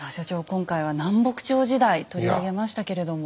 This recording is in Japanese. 今回は南北朝時代取り上げましたけれども。